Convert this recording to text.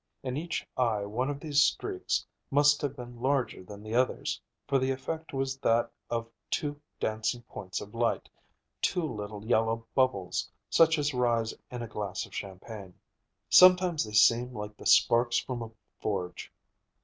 In each eye one of these streaks must have been larger than the others, for the effect was that of two dancing points of light, two little yellow bubbles, such as rise in a glass of champagne. Sometimes they seemed like the sparks from a forge.